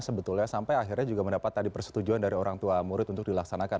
sebetulnya sampai akhirnya juga mendapat tadi persetujuan dari orang tua murid untuk dilaksanakan